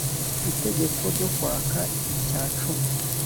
itegeko ryo kwaka icya cumi